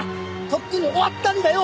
とっくに終わったんだよ！